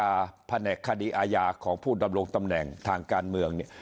อาร์ยารณีของผู้ดำลงตำแหน่งทางการเมือง